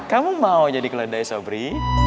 kamu mau jadi keledai sobri